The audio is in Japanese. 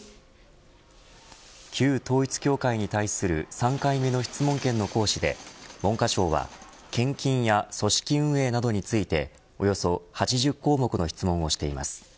旧統一教会に対する３回目の質問権の行使で文科省は献金や組織運営などについておよそ８０項目の質問をしています。